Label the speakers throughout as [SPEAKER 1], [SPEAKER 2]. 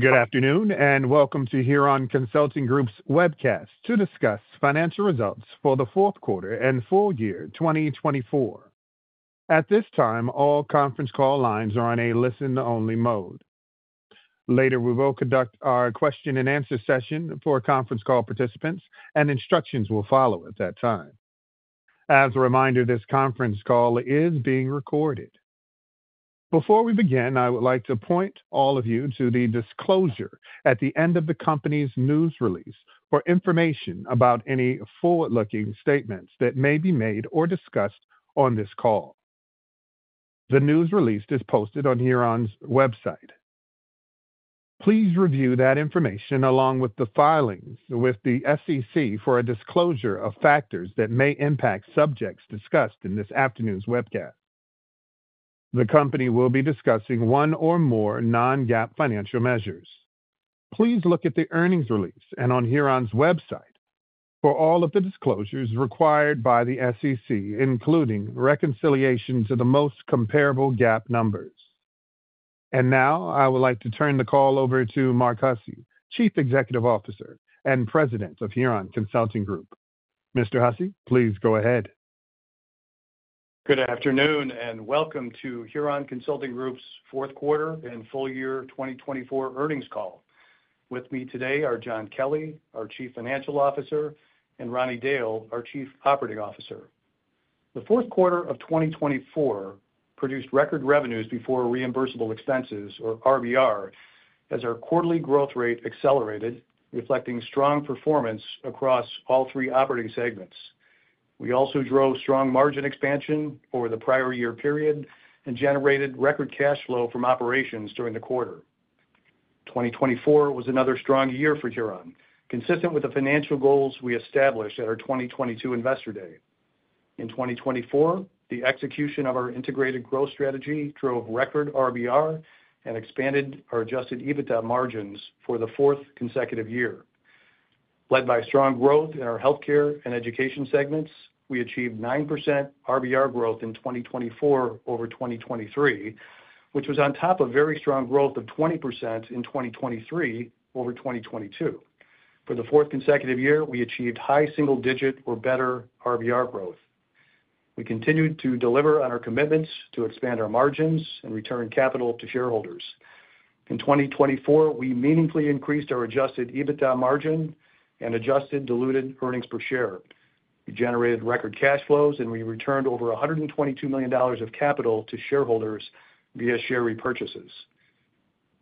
[SPEAKER 1] Good afternoon and welcome to Huron Consulting Group's webcast to discuss financial results for the fourth quarter and full year 2024. At this time, all conference call lines are on a listen-only mode. Later, we will conduct our question-and-answer session for conference call participants, and instructions will follow at that time. As a reminder, this conference call is being recorded. Before we begin, I would like to point all of you to the disclosure at the end of the company's news release for information about any forward-looking statements that may be made or discussed on this call. The news release is posted on Huron's website. Please review that information along with the filings with the SEC for a disclosure of factors that may impact subjects discussed in this afternoon's webcast. The company will be discussing one or more non-GAAP financial measures. Please look at the earnings release and on Huron's website for all of the disclosures required by the SEC, including reconciliation to the most comparable GAAP numbers, and now, I would like to turn the call over to Mark Hussey, Chief Executive Officer and President of Huron Consulting Group. Mr. Hussey, please go ahead.
[SPEAKER 2] Good afternoon and welcome to Huron Consulting Group's fourth quarter and full year 2024 earnings call. With me today are John Kelly, our Chief Financial Officer, and Ronnie Dail, our Chief Operating Officer. The fourth quarter of 2024 produced record revenues before reimbursable expenses, or RBR, as our quarterly growth rate accelerated, reflecting strong performance across all three operating segments. We also drove strong margin expansion over the prior year period and generated record cash flow from operations during the quarter. 2024 was another strong year for Huron, consistent with the financial goals we established at our 2022 Investor Day. In 2024, the execution of our integrated growth strategy drove record RBR and expanded our adjusted EBITDA margins for the fourth consecutive year. Led by strong growth in our healthcare and education segments, we achieved 9% RBR growth in 2024 over 2023, which was on top of very strong growth of 20% in 2023 over 2022. For the fourth consecutive year, we achieved high single-digit or better RBR growth. We continued to deliver on our commitments to expand our margins and return capital to shareholders. In 2024, we meaningfully increased our adjusted EBITDA margin and adjusted diluted earnings per share. We generated record cash flows, and we returned over $122 million of capital to shareholders via share repurchases.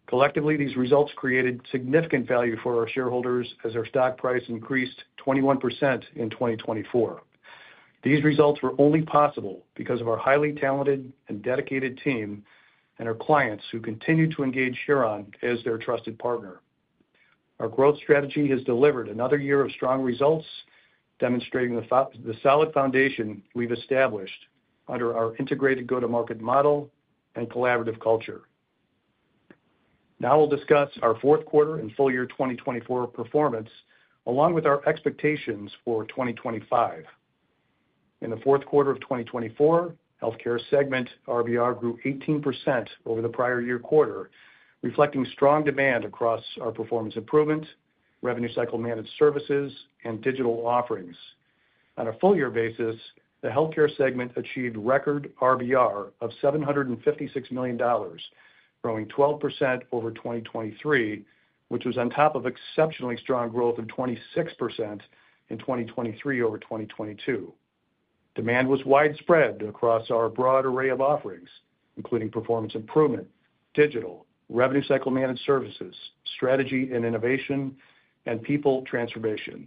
[SPEAKER 2] Collectively, these results created significant value for our shareholders as our stock price increased 21% in 2024. These results were only possible because of our highly talented and dedicated team and our clients who continue to engage Huron as their trusted partner. Our growth strategy has delivered another year of strong results, demonstrating the solid foundation we've established under our integrated go-to-market model and collaborative culture. Now we'll discuss our fourth quarter and full year 2024 performance along with our expectations for 2025. In the fourth quarter of 2024, healthcare segment RBR grew 18% over the prior year quarter, reflecting strong demand across our performance improvement, revenue cycle managed services, and digital offerings. On a full year basis, the healthcare segment achieved record RBR of $756 million, growing 12% over 2023, which was on top of exceptionally strong growth of 26% in 2023 over 2022. Demand was widespread across our broad array of offerings, including performance improvement, digital, revenue cycle managed services, strategy and innovation, and people transformation.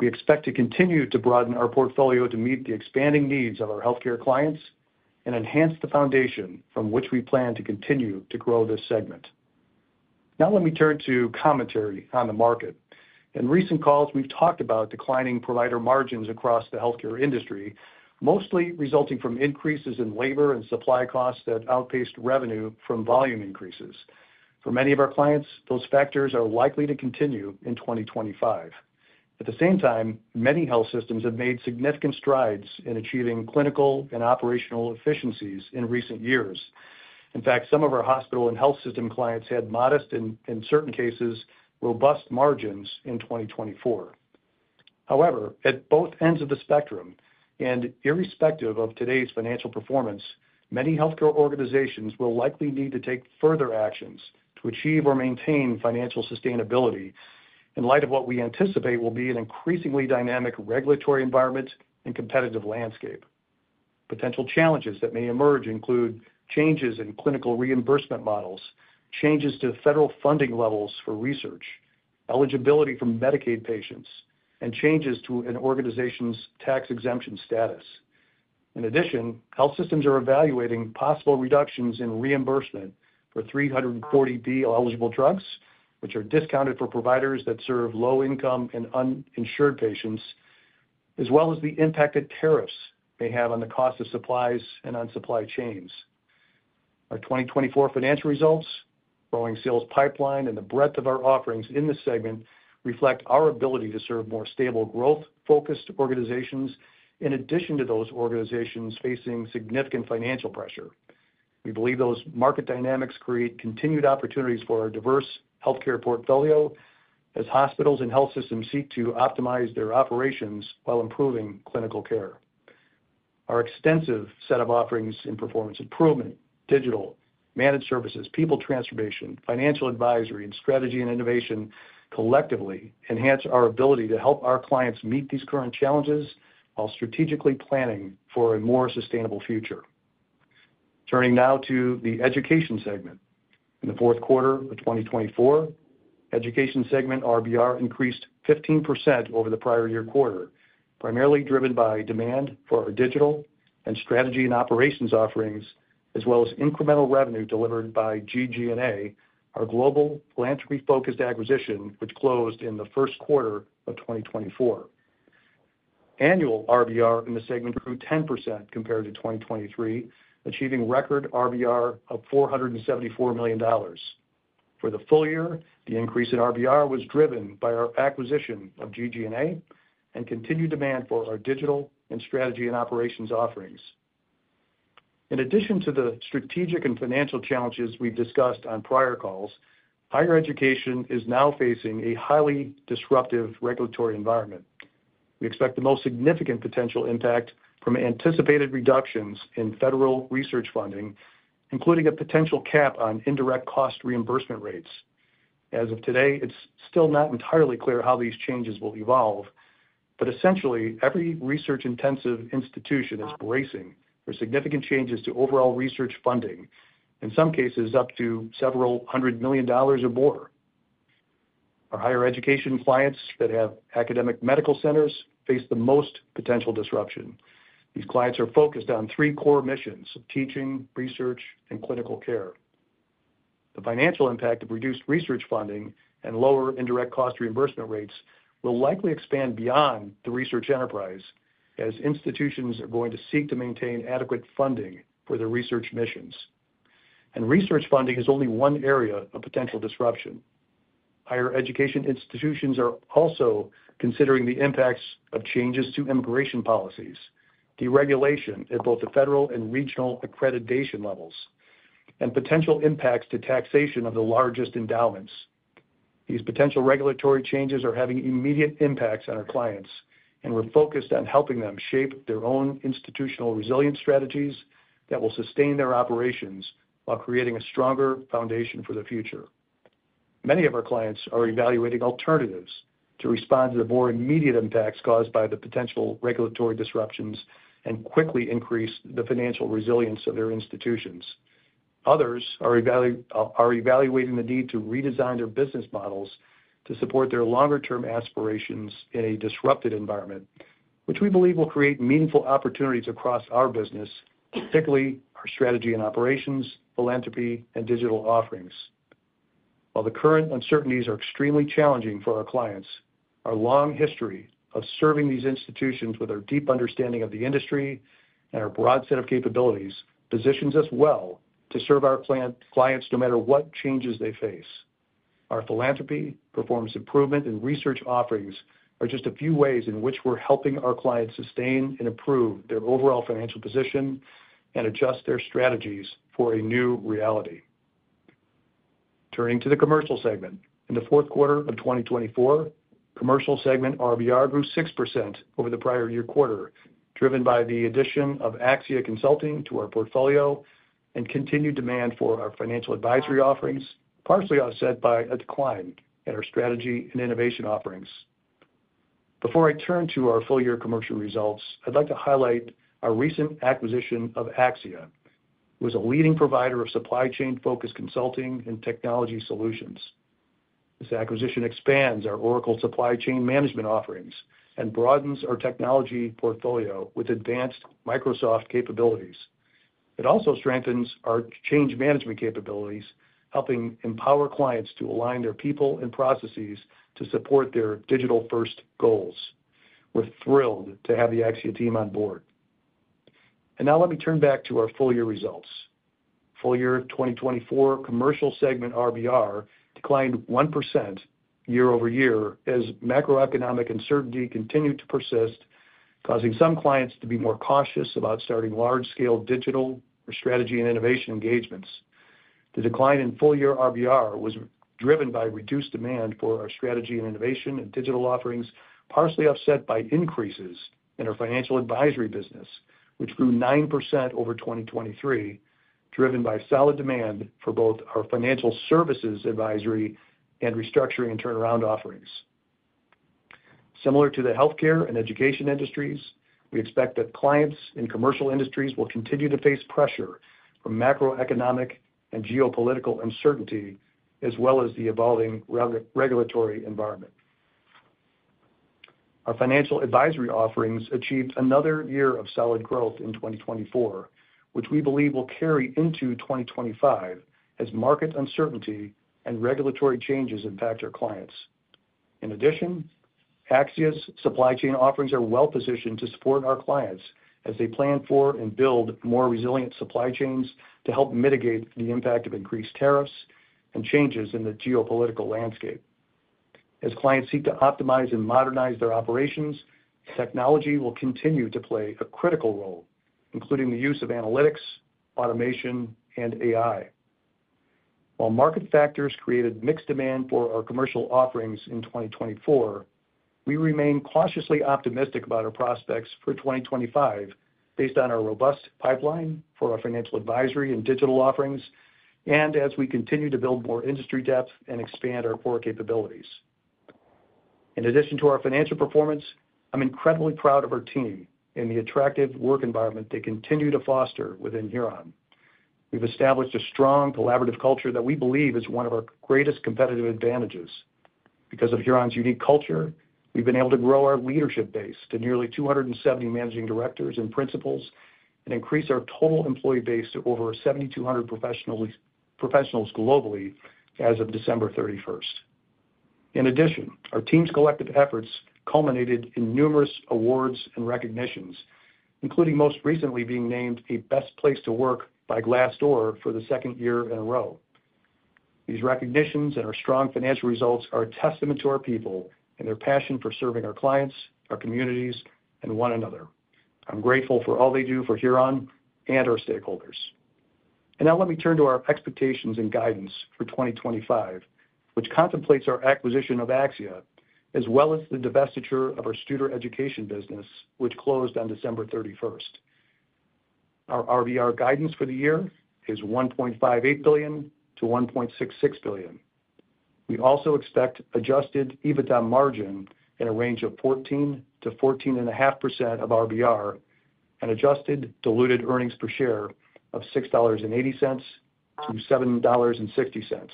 [SPEAKER 2] We expect to continue to broaden our portfolio to meet the expanding needs of our healthcare clients and enhance the foundation from which we plan to continue to grow this segment. Now let me turn to commentary on the market. In recent calls, we've talked about declining provider margins across the healthcare industry, mostly resulting from increases in labor and supply costs that outpaced revenue from volume increases. For many of our clients, those factors are likely to continue in 2025. At the same time, many health systems have made significant strides in achieving clinical and operational efficiencies in recent years. In fact, some of our hospital and health system clients had modest and, in certain cases, robust margins in 2024. However, at both ends of the spectrum, and irrespective of today's financial performance, many healthcare organizations will likely need to take further actions to achieve or maintain financial sustainability in light of what we anticipate will be an increasingly dynamic regulatory environment and competitive landscape. Potential challenges that may emerge include changes in clinical reimbursement models, changes to federal funding levels for research, eligibility for Medicaid patients, and changes to an organization's tax exemption status. In addition, health systems are evaluating possible reductions in reimbursement for 340B eligible drugs, which are discounted for providers that serve low-income and uninsured patients, as well as the impact that tariffs may have on the cost of supplies and on supply chains. Our 2024 financial results, growing sales pipeline, and the breadth of our offerings in this segment reflect our ability to serve more stable, growth-focused organizations in addition to those organizations facing significant financial pressure. We believe those market dynamics create continued opportunities for our diverse healthcare portfolio as hospitals and health systems seek to optimize their operations while improving clinical care. Our extensive set of offerings in performance improvement, digital, managed services, people transformation, financial advisory, and strategy and innovation collectively enhance our ability to help our clients meet these current challenges while strategically planning for a more sustainable future. Turning now to the education segment. In the fourth quarter of 2024, education segment RBR increased 15% over the prior year quarter, primarily driven by demand for our digital and strategy and operations offerings, as well as incremental revenue delivered by GG+A, our global philanthropy-focused acquisition, which closed in the first quarter of 2024. Annual RBR in the segment grew 10% compared to 2023, achieving record RBR of $474 million. For the full year, the increase in RBR was driven by our acquisition of GG+A and continued demand for our digital and strategy and operations offerings. In addition to the strategic and financial challenges we've discussed on prior calls, higher education is now facing a highly disruptive regulatory environment. We expect the most significant potential impact from anticipated reductions in federal research funding, including a potential cap on indirect cost reimbursement rates. As of today, it's still not entirely clear how these changes will evolve, but essentially, every research-intensive institution is bracing for significant changes to overall research funding, in some cases up to several hundred million dollars or more. Our higher education clients that have academic medical centers face the most potential disruption. These clients are focused on three core missions of teaching, research, and clinical care. The financial impact of reduced research funding and lower indirect cost reimbursement rates will likely expand beyond the research enterprise as institutions are going to seek to maintain adequate funding for their research missions, and research funding is only one area of potential disruption. Higher education institutions are also considering the impacts of changes to immigration policies, deregulation at both the federal and regional accreditation levels, and potential impacts to taxation of the largest endowments. These potential regulatory changes are having immediate impacts on our clients, and we're focused on helping them shape their own institutional resilience strategies that will sustain their operations while creating a stronger foundation for the future. Many of our clients are evaluating alternatives to respond to the more immediate impacts caused by the potential regulatory disruptions and quickly increase the financial resilience of their institutions. Others are evaluating the need to redesign their business models to support their longer-term aspirations in a disrupted environment, which we believe will create meaningful opportunities across our business, particularly our strategy and operations, philanthropy, and digital offerings. While the current uncertainties are extremely challenging for our clients, our long history of serving these institutions with our deep understanding of the industry and our broad set of capabilities positions us well to serve our clients no matter what changes they face. Our philanthropy, performance improvement, and research offerings are just a few ways in which we're helping our clients sustain and improve their overall financial position and adjust their strategies for a new reality. Turning to the commercial segment, in the fourth quarter of 2024, commercial segment RBR grew 6% over the prior year quarter, driven by the addition of AXIA Consulting to our portfolio and continued demand for our financial advisory offerings, partially offset by a decline in our strategy and innovation offerings. Before I turn to our full year commercial results, I'd like to highlight our recent acquisition of AXIA, who is a leading provider of supply chain-focused consulting and technology solutions. This acquisition expands our Oracle Supply Chain Management offerings and broadens our technology portfolio with advanced Microsoft capabilities. It also strengthens our change management capabilities, helping empower clients to align their people and processes to support their digital-first goals. We're thrilled to have the AXIA team on board. And now let me turn back to our full year results. Full year 2024 commercial segment RBR declined 1% year-over-year as macroeconomic uncertainty continued to persist, causing some clients to be more cautious about starting large-scale digital or strategy and innovation engagements. The decline in full year RBR was driven by reduced demand for our strategy and innovation and digital offerings, partially offset by increases in our financial advisory business, which grew 9% over 2023, driven by solid demand for both our financial services advisory and restructuring and turnaround offerings. Similar to the healthcare and education industries, we expect that clients in commercial industries will continue to face pressure from macroeconomic and geopolitical uncertainty, as well as the evolving regulatory environment. Our financial advisory offerings achieved another year of solid growth in 2024, which we believe will carry into 2025 as market uncertainty and regulatory changes impact our clients. In addition, AXIA's supply chain offerings are well-positioned to support our clients as they plan for and build more resilient supply chains to help mitigate the impact of increased tariffs and changes in the geopolitical landscape. As clients seek to optimize and modernize their operations, technology will continue to play a critical role, including the use of analytics, automation, and AI. While market factors created mixed demand for our commercial offerings in 2024, we remain cautiously optimistic about our prospects for 2025 based on our robust pipeline for our financial advisory and digital offerings, and as we continue to build more industry depth and expand our core capabilities. In addition to our financial performance, I'm incredibly proud of our team and the attractive work environment they continue to foster within Huron. We've established a strong collaborative culture that we believe is one of our greatest competitive advantages. Because of Huron's unique culture, we've been able to grow our leadership base to nearly 270 managing directors and principals and increase our total employee base to over 7,200 professionals globally as of December 31st. In addition, our team's collective efforts culminated in numerous awards and recognitions, including most recently being named a Best Place to Work by Glassdoor for the second year in a row. These recognitions and our strong financial results are a testament to our people and their passion for serving our clients, our communities, and one another. I'm grateful for all they do for Huron and our stakeholders. And now let me turn to our expectations and guidance for 2025, which contemplates our acquisition of AXIA, as well as the divestiture of our Studer Education business, which closed on December 31st. Our RBR guidance for the year is $1.58 billion-$1.66 billion. We also expect adjusted EBITDA margin in a range of 14%-14.5% of RBR and adjusted diluted earnings per share of $6.80-$7.60.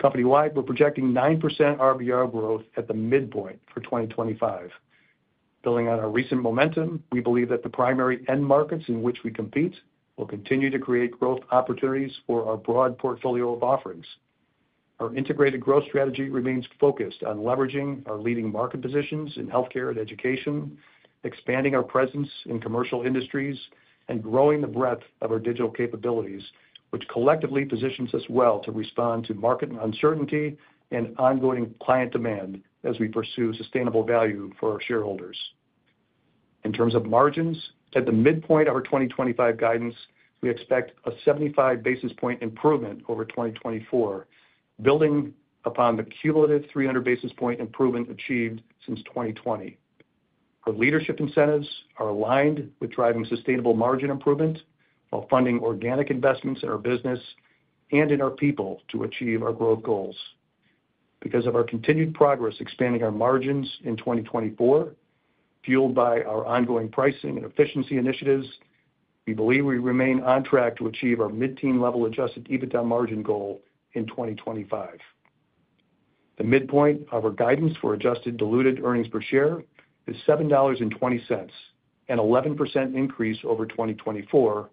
[SPEAKER 2] Company-wide, we're projecting 9% RBR growth at the midpoint for 2025. Building on our recent momentum, we believe that the primary end markets in which we compete will continue to create growth opportunities for our broad portfolio of offerings. Our integrated growth strategy remains focused on leveraging our leading market positions in healthcare and education, expanding our presence in commercial industries, and growing the breadth of our digital capabilities, which collectively positions us well to respond to market uncertainty and ongoing client demand as we pursue sustainable value for our shareholders. In terms of margins, at the midpoint of our 2025 guidance, we expect a 75 basis points improvement over 2024, building upon the cumulative 300 basis points improvement achieved since 2020. Our leadership incentives are aligned with driving sustainable margin improvement while funding organic investments in our business and in our people to achieve our growth goals. Because of our continued progress expanding our margins in 2024, fueled by our ongoing pricing and efficiency initiatives, we believe we remain on track to achieve our mid-teens level adjusted EBITDA margin goal in 2025. The midpoint of our guidance for adjusted diluted earnings per share is $7.20, an 11% increase over 2024,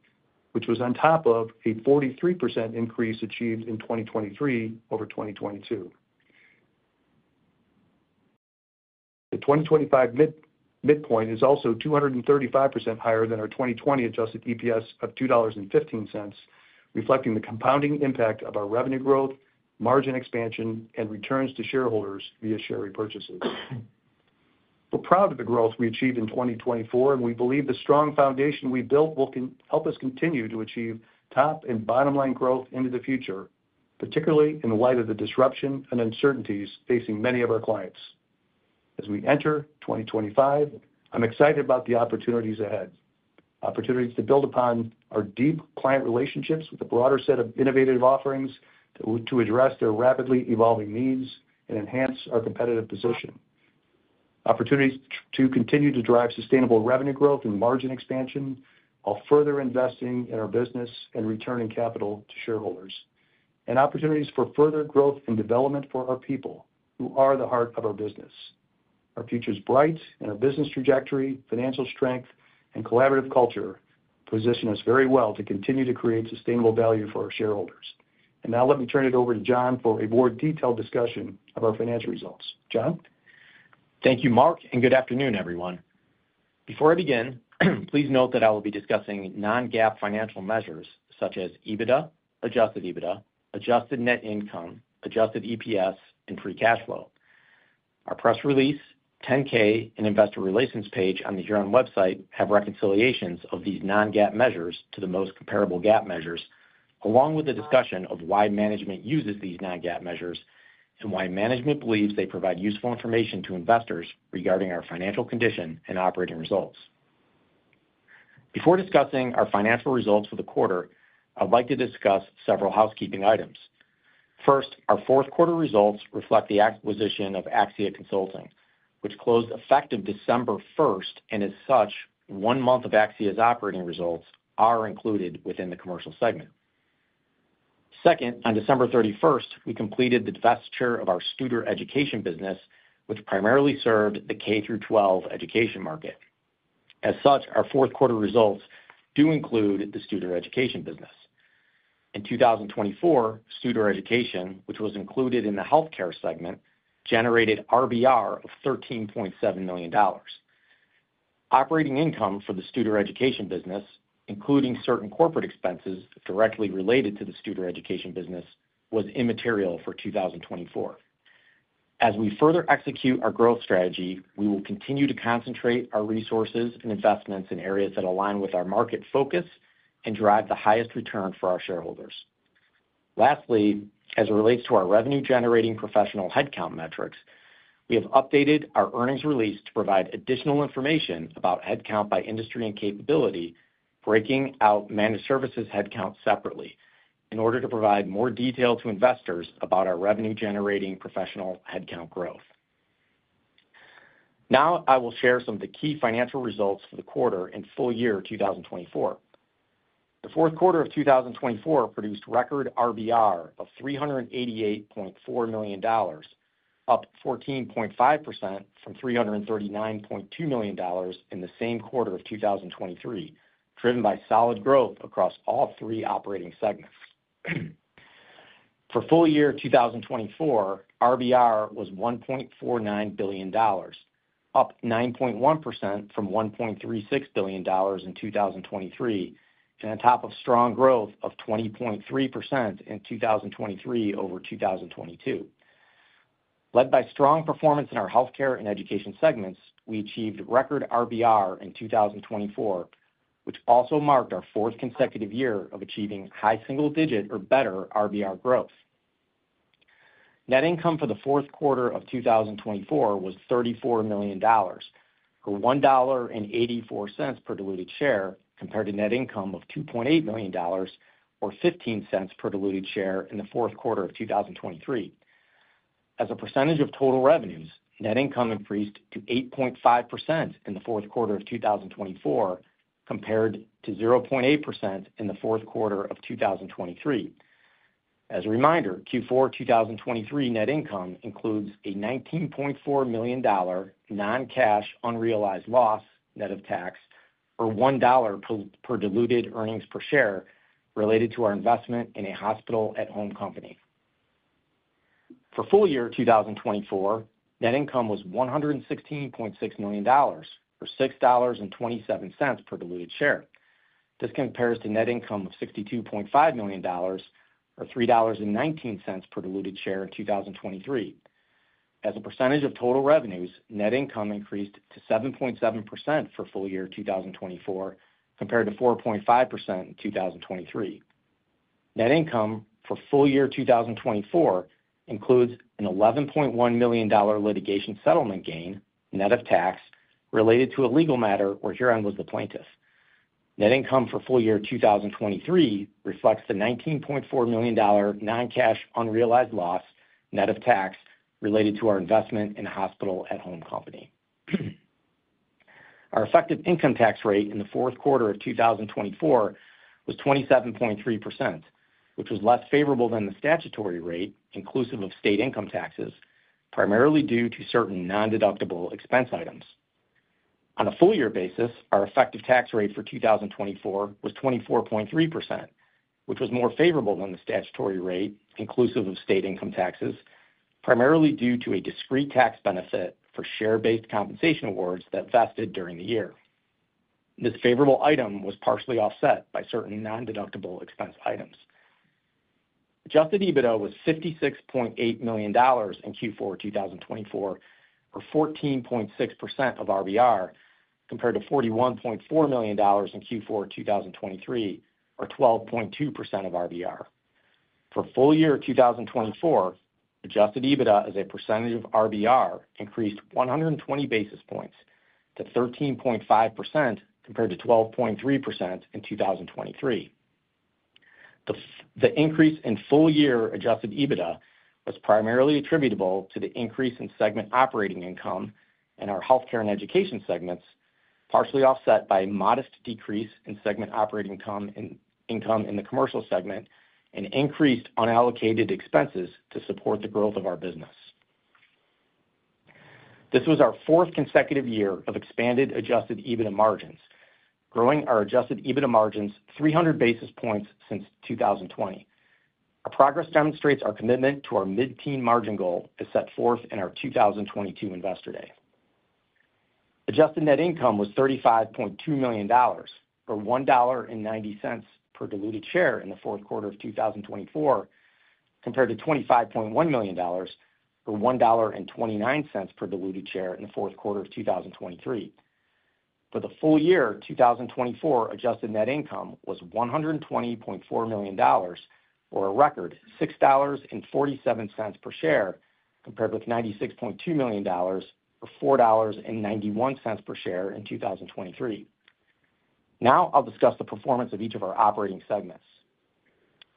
[SPEAKER 2] which was on top of a 43% increase achieved in 2023 over 2022. The 2025 midpoint is also 235% higher than our 2020 adjusted EPS of $2.15, reflecting the compounding impact of our revenue growth, margin expansion, and returns to shareholders via share repurchases. We're proud of the growth we achieved in 2024, and we believe the strong foundation we built will help us continue to achieve top and bottom-line growth into the future, particularly in light of the disruption and uncertainties facing many of our clients. As we enter 2025, I'm excited about the opportunities ahead. Opportunities to build upon our deep client relationships with a broader set of innovative offerings to address their rapidly evolving needs and enhance our competitive position. Opportunities to continue to drive sustainable revenue growth and margin expansion while further investing in our business and returning capital to shareholders. And opportunities for further growth and development for our people, who are the heart of our business. Our future is bright, and our business trajectory, financial strength, and collaborative culture position us very well to continue to create sustainable value for our shareholders. And now let me turn it over to John for a more detailed discussion of our financial results. John?
[SPEAKER 3] Thank you, Mark, and good afternoon, everyone. Before I begin, please note that I will be discussing non-GAAP financial measures such as EBITDA, adjusted EBITDA, adjusted net income, adjusted EPS, and free cash flow. Our press release, 10-K, and investor relations page on the Huron website have reconciliations of these non-GAAP measures to the most comparable GAAP measures, along with the discussion of why management uses these non-GAAP measures and why management believes they provide useful information to investors regarding our financial condition and operating results. Before discussing our financial results for the quarter, I'd like to discuss several housekeeping items. First, our fourth quarter results reflect the acquisition of AXIA Consulting, which closed effective December 1st, and as such, one month of AXIA's operating results are included within the commercial segment. Second, on December 31st, we completed the divestiture of our Studer Education business, which primarily served the K-12 education market. As such, our fourth quarter results do include the Studer Education business. In 2024, Studer Education, which was included in the healthcare segment, generated RBR of $13.7 million. Operating income for the Studer Education business, including certain corporate expenses directly related to the Studer Education business, was immaterial for 2024. As we further execute our growth strategy, we will continue to concentrate our resources and investments in areas that align with our market focus and drive the highest return for our shareholders. Lastly, as it relates to our revenue-generating professional headcount metrics, we have updated our earnings release to provide additional information about headcount by industry and capability, breaking out managed services headcount separately in order to provide more detail to investors about our revenue-generating professional headcount growth. Now I will share some of the key financial results for the quarter and full year 2024. The fourth quarter of 2024 produced record RBR of $388.4 million, up 14.5% from $339.2 million in the same quarter of 2023, driven by solid growth across all three operating segments. For full year 2024, RBR was $1.49 billion, up 9.1% from $1.36 billion in 2023, and on top of strong growth of 20.3% in 2023 over 2022. Led by strong performance in our healthcare and education segments, we achieved record RBR in 2024, which also marked our fourth consecutive year of achieving high single-digit or better RBR growth. Net income for the fourth quarter of 2024 was $34 million, or $1.84 per diluted share, compared to net income of $2.8 million, or $0.15 per diluted share in the fourth quarter of 2023. As a percentage of total revenues, net income increased to 8.5% in the fourth quarter of 2024, compared to 0.8% in the fourth quarter of 2023. As a reminder, Q4 2023 net income includes a $19.4 million non-cash unrealized loss, net of tax, or $1 per diluted earnings per share related to our investment in a hospital at home company. For full year 2024, net income was $116.6 million, or $6.27 per diluted share. This compares to net income of $62.5 million, or $3.19 per diluted share in 2023. As a percentage of total revenues, net income increased to 7.7% for full year 2024, compared to 4.5% in 2023. Net income for full year 2024 includes an $11.1 million litigation settlement gain, net of tax, related to a legal matter where Huron was the plaintiff. Net income for full year 2023 reflects the $19.4 million non-cash unrealized loss, net of tax, related to our investment in a hospital at home company. Our effective income tax rate in the fourth quarter of 2024 was 27.3%, which was less favorable than the statutory rate, inclusive of state income taxes, primarily due to certain non-deductible expense items. On a full year basis, our effective tax rate for 2024 was 24.3%, which was more favorable than the statutory rate, inclusive of state income taxes, primarily due to a discrete tax benefit for share-based compensation awards that vested during the year. This favorable item was partially offset by certain non-deductible expense items. Adjusted EBITDA was $56.8 million in Q4 2024, or 14.6% of RBR, compared to $41.4 million in Q4 2023, or 12.2% of RBR. For full year 2024, adjusted EBITDA as a percentage of RBR increased 120 basis points to 13.5% compared to 12.3% in 2023. The increase in full year adjusted EBITDA was primarily attributable to the increase in segment operating income in our healthcare and education segments, partially offset by a modest decrease in segment operating income in the commercial segment, and increased unallocated expenses to support the growth of our business. This was our fourth consecutive year of expanded adjusted EBITDA margins, growing our adjusted EBITDA margins 300 basis points since 2020. Our progress demonstrates our commitment to our mid-teens margin goal as set forth in our 2022 Investor Day. Adjusted net income was $35.2 million, or $1.90 per diluted share in the fourth quarter of 2024, compared to $25.1 million, or $1.29 per diluted share in the fourth quarter of 2023. For the full year 2024, adjusted net income was $120.4 million, or a record $6.47 per share, compared with $96.2 million, or $4.91 per share in 2023. Now I'll discuss the performance of each of our operating segments.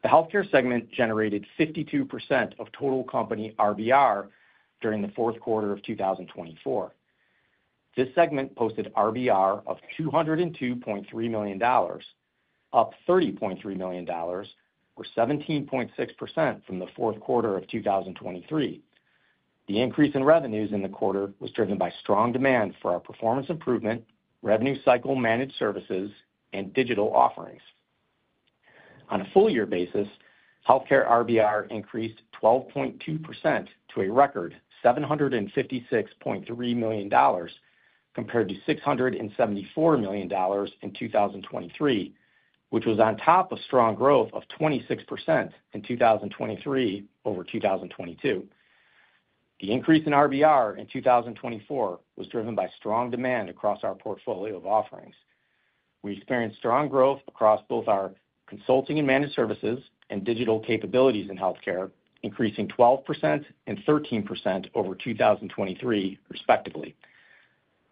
[SPEAKER 3] The healthcare segment generated 52% of total company RBR during the fourth quarter of 2024. This segment posted RBR of $202.3 million, up $30.3 million, or 17.6% from the fourth quarter of 2023. The increase in revenues in the quarter was driven by strong demand for our performance improvement, revenue cycle managed services, and digital offerings. On a full year basis, healthcare RBR increased 12.2% to a record $756.3 million, compared to $674 million in 2023, which was on top of strong growth of 26% in 2023 over 2022. The increase in RBR in 2024 was driven by strong demand across our portfolio of offerings. We experienced strong growth across both our consulting and managed services and digital capabilities in healthcare, increasing 12% and 13% over 2023, respectively.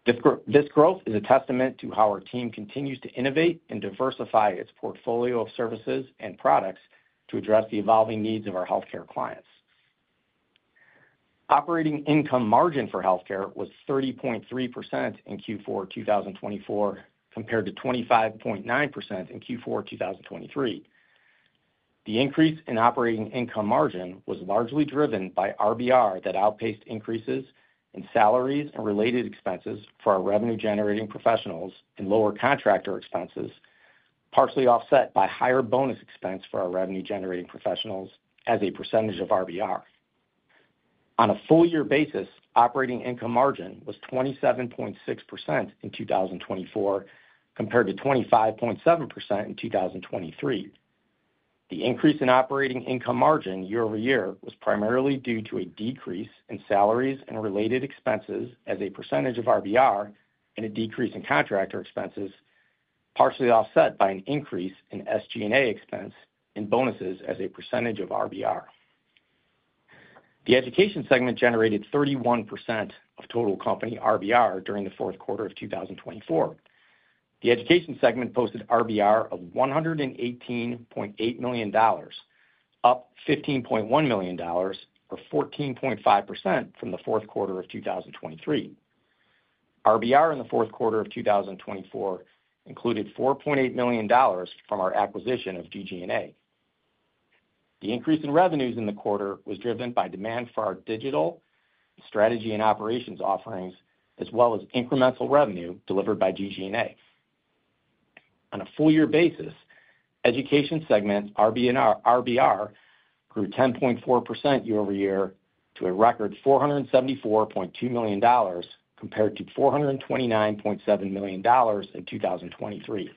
[SPEAKER 3] This growth is a testament to how our team continues to innovate and diversify its portfolio of services and products to address the evolving needs of our healthcare clients. Operating income margin for healthcare was 30.3% in Q4 2024, compared to 25.9% in Q4 2023. The increase in operating income margin was largely driven by RBR that outpaced increases in salaries and related expenses for our revenue-generating professionals and lower contractor expenses, partially offset by higher bonus expense for our revenue-generating professionals as a percentage of RBR. On a full year basis, operating income margin was 27.6% in 2024, compared to 25.7% in 2023. The increase in operating income margin year-over-year was primarily due to a decrease in salaries and related expenses as a percentage of RBR and a decrease in contractor expenses, partially offset by an increase in SG&A expense and bonuses as a percentage of RBR. The education segment generated 31% of total company RBR during the fourth quarter of 2024. The education segment posted RBR of $118.8 million, up $15.1 million, or 14.5% from the fourth quarter of 2023. RBR in the fourth quarter of 2024 included $4.8 million from our acquisition of GG+A. The increase in revenues in the quarter was driven by demand for our digital strategy and operations offerings, as well as incremental revenue delivered by GG+A. On a full year basis, education segment RBR grew 10.4% year-over-year to a record $474.2 million, compared to $429.7 million in 2023.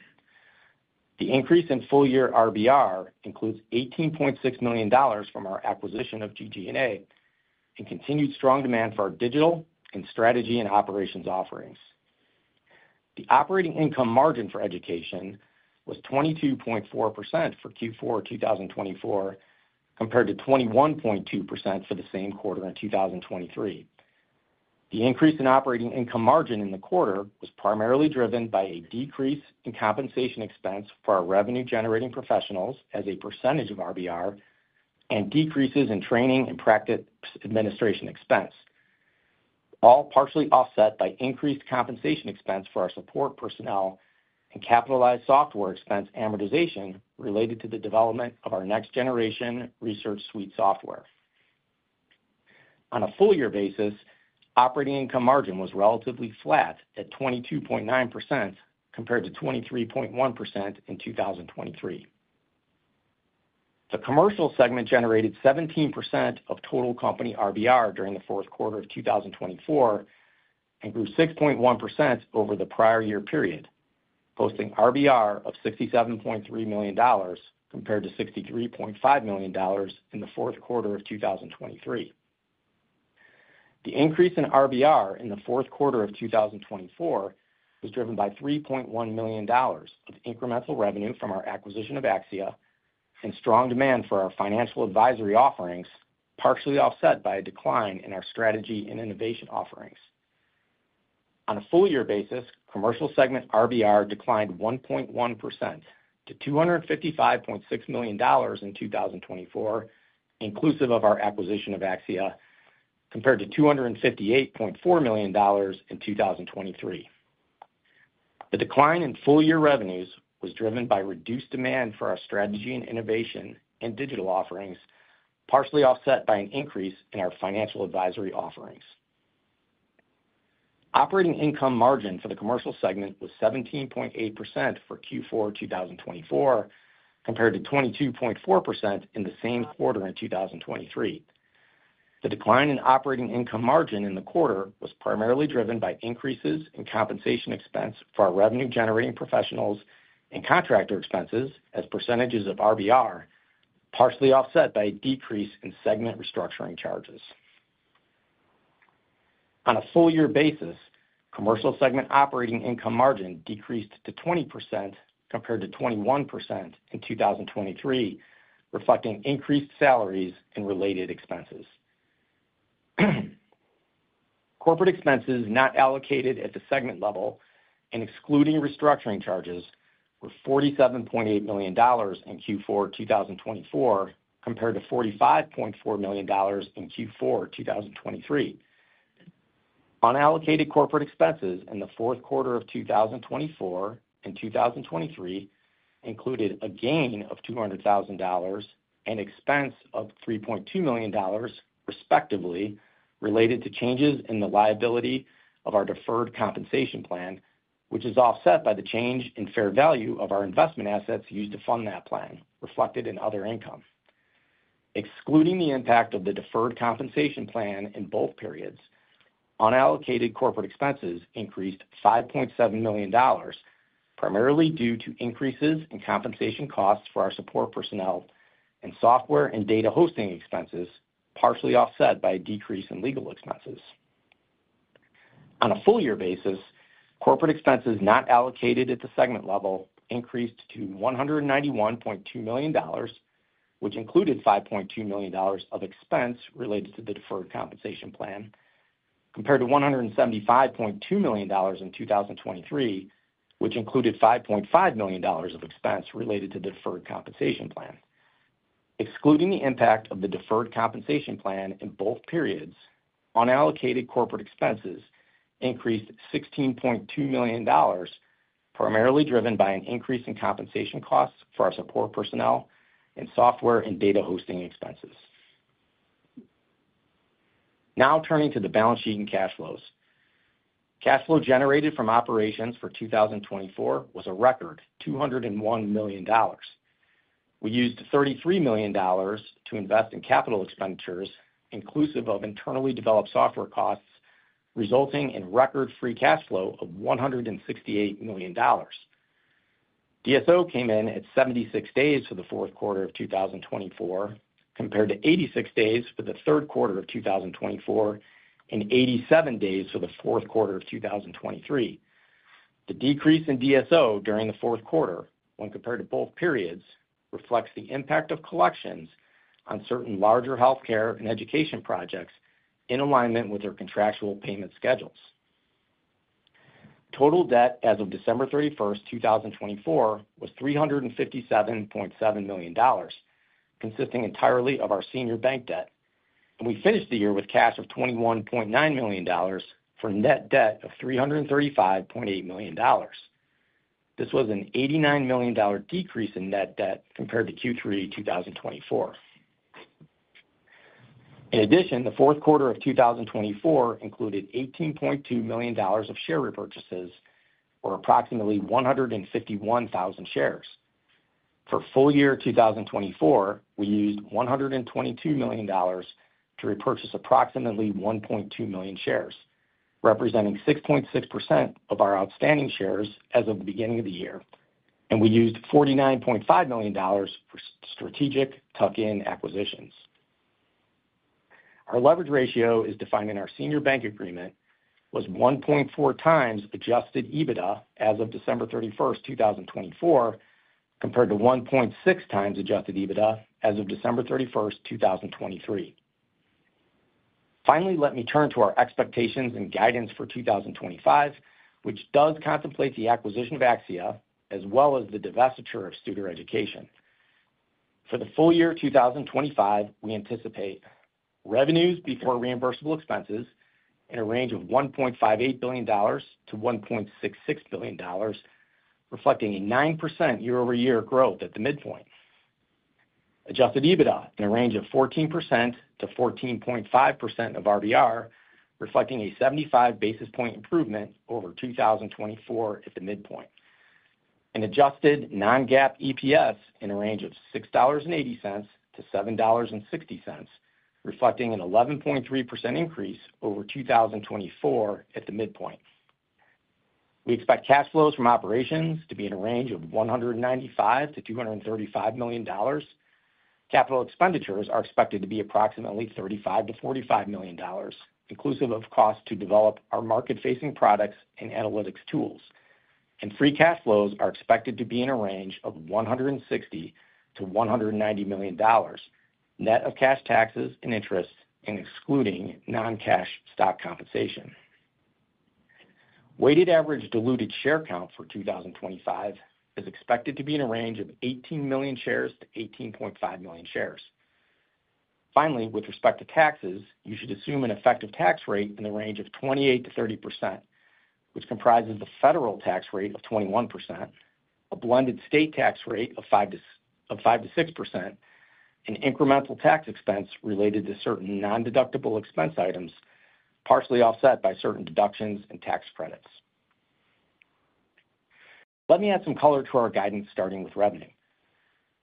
[SPEAKER 3] The increase in full year RBR includes $18.6 million from our acquisition of GG+A and continued strong demand for our digital and strategy and operations offerings. The operating income margin for education was 22.4% for Q4 2024, compared to 21.2% for the same quarter in 2023. The increase in operating income margin in the quarter was primarily driven by a decrease in compensation expense for our revenue-generating professionals as a percentage of RBR and decreases in training and practice administration expense, all partially offset by increased compensation expense for our support personnel and capitalized software expense amortization related to the development of our next-generation research suite software. On a full year basis, operating income margin was relatively flat at 22.9% compared to 23.1% in 2023. The commercial segment generated 17% of total company RBR during the fourth quarter of 2024 and grew 6.1% over the prior year period, posting RBR of $67.3 million compared to $63.5 million in the fourth quarter of 2023. The increase in RBR in the fourth quarter of 2024 was driven by $3.1 million of incremental revenue from our acquisition of AXIA and strong demand for our financial advisory offerings, partially offset by a decline in our strategy and innovation offerings. On a full year basis, commercial segment RBR declined 1.1% to $255.6 million in 2024, inclusive of our acquisition of AXIA, compared to $258.4 million in 2023. The decline in full year revenues was driven by reduced demand for our strategy and innovation and digital offerings, partially offset by an increase in our financial advisory offerings. Operating income margin for the commercial segment was 17.8% for Q4 2024, compared to 22.4% in the same quarter in 2023. The decline in operating income margin in the quarter was primarily driven by increases in compensation expense for our revenue-generating professionals and contractor expenses as percentages of RBR, partially offset by a decrease in segment restructuring charges. On a full year basis, commercial segment operating income margin decreased to 20% compared to 21% in 2023, reflecting increased salaries and related expenses. Corporate expenses not allocated at the segment level and excluding restructuring charges were $47.8 million in Q4 2024, compared to $45.4 million in Q4 2023. Unallocated corporate expenses in the fourth quarter of 2024 and 2023 included a gain of $200,000 and expense of $3.2 million, respectively, related to changes in the liability of our deferred compensation plan, which is offset by the change in fair value of our investment assets used to fund that plan, reflected in other income. Excluding the impact of the deferred compensation plan in both periods, unallocated corporate expenses increased $5.7 million, primarily due to increases in compensation costs for our support personnel and software and data hosting expenses, partially offset by a decrease in legal expenses. On a full year basis, corporate expenses not allocated at the segment level increased to $191.2 million, which included $5.2 million of expense related to the deferred compensation plan, compared to $175.2 million in 2023, which included $5.5 million of expense related to the deferred compensation plan. Excluding the impact of the deferred compensation plan in both periods, unallocated corporate expenses increased $16.2 million, primarily driven by an increase in compensation costs for our support personnel and software and data hosting expenses. Now turning to the balance sheet and cash flows. Cash flow generated from operations for 2024 was a record $201 million. We used $33 million to invest in capital expenditures, inclusive of internally developed software costs, resulting in record free cash flow of $168 million. DSO came in at 76 days for the fourth quarter of 2024, compared to 86 days for the third quarter of 2024 and 87 days for the fourth quarter of 2023. The decrease in DSO during the fourth quarter, when compared to both periods, reflects the impact of collections on certain larger healthcare and education projects in alignment with our contractual payment schedules. Total debt as of December 31st, 2024, was $357.7 million, consisting entirely of our senior bank debt. And we finished the year with cash of $21.9 million for net debt of $335.8 million. This was an $89 million decrease in net debt compared to Q3 2024. In addition, the fourth quarter of 2024 included $18.2 million of share repurchases, or approximately 151,000 shares. For full year 2024, we used $122 million to repurchase approximately 1.2 million shares, representing 6.6% of our outstanding shares as of the beginning of the year. And we used $49.5 million for strategic tuck-in acquisitions. Our leverage ratio, as defined in our senior bank agreement, was 1.4 times adjusted EBITDA as of December 31st, 2024, compared to 1.6 times adjusted EBITDA as of December 31st, 2023. Finally, let me turn to our expectations and guidance for 2025, which does contemplate the acquisition of AXIA as well as the divestiture of Studer Education. For the full year 2025, we anticipate revenues before reimbursable expenses in a range of $1.58 billion-$1.66 billion, reflecting a 9% year-over-year growth at the midpoint. Adjusted EBITDA in a range of 14%-14.5% of RBR, reflecting a 75 basis point improvement over 2024 at the midpoint. An adjusted non-GAAP EPS in a range of $6.80-$7.60, reflecting an 11.3% increase over 2024 at the midpoint. We expect cash flows from operations to be in a range of $195-$235 million. Capital expenditures are expected to be approximately $35-$45 million, inclusive of costs to develop our market-facing products and analytics tools, and free cash flows are expected to be in a range of $160-$190 million, net of cash taxes and interest, excluding non-cash stock compensation. Weighted average diluted share count for 2025 is expected to be in a range of 18-18.5 million shares. Finally, with respect to taxes, you should assume an effective tax rate in the range of 28%-30%, which comprises the federal tax rate of 21%, a blended state tax rate of 5%-6%, and incremental tax expense related to certain non-deductible expense items, partially offset by certain deductions and tax credits. Let me add some color to our guidance, starting with revenue.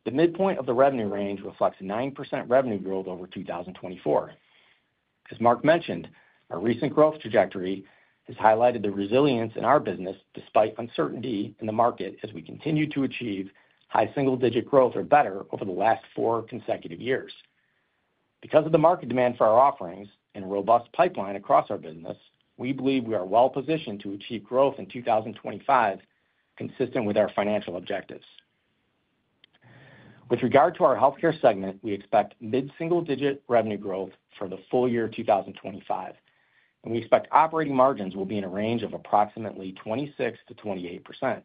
[SPEAKER 3] The midpoint of the revenue range reflects a 9% revenue growth over 2024. As Mark mentioned, our recent growth trajectory has highlighted the resilience in our business despite uncertainty in the market as we continue to achieve high single-digit growth or better over the last four consecutive years. Because of the market demand for our offerings and a robust pipeline across our business, we believe we are well-positioned to achieve growth in 2025 consistent with our financial objectives. With regard to our healthcare segment, we expect mid-single-digit revenue growth for the full year 2025. And we expect operating margins will be in a range of approximately 26%-28%.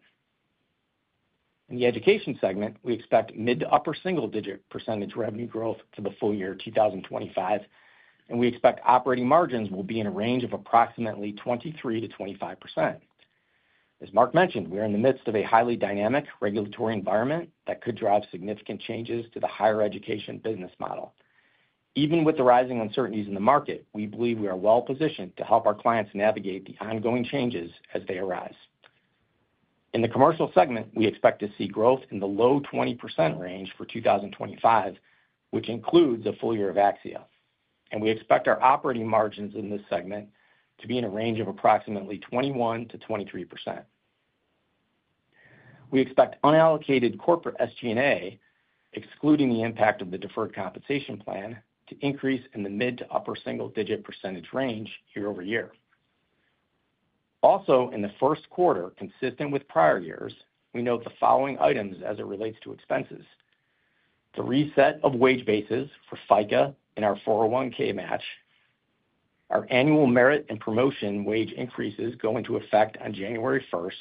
[SPEAKER 3] In the education segment, we expect mid to upper single-digit percentage revenue growth for the full year 2025. And we expect operating margins will be in a range of approximately 23%-25%. As Mark mentioned, we are in the midst of a highly dynamic regulatory environment that could drive significant changes to the higher education business model. Even with the rising uncertainties in the market, we believe we are well-positioned to help our clients navigate the ongoing changes as they arise. In the commercial segment, we expect to see growth in the low 20% range for 2025, which includes a full year of AXIA. We expect our operating margins in this segment to be in a range of approximately 21%-23%. We expect unallocated corporate SG&A, excluding the impact of the deferred compensation plan, to increase in the mid- to upper single-digit % range year-over-year. Also, in the first quarter, consistent with prior years, we note the following items as it relates to expenses: the reset of wage bases for FICA in our 401(k) match, our annual merit and promotion wage increases going to effect on January 1st,